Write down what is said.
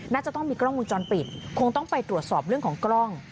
น่าจะต้องมีกล้องมุมจรปิดคงต้องไปตรวจสอบเรื่องของกล้อง